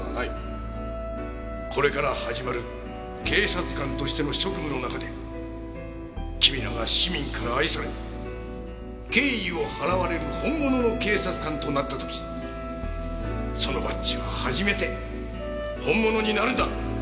これから始まる警察官としての職務の中で君らが市民から愛され敬意を払われる本物の警察官となった時そのバッジは初めて本物になるんだ。